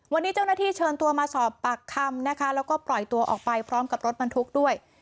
วันนี้เจ้าหน้าที่เชิญตัวมาสอบปากคำนะคะแล้วก็ปล่อยตัวออกไปพร้อมกับรถบรรทุกด้วย